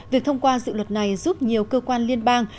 việc thông qua dự luật này giúp nhiều cơ quan liên bang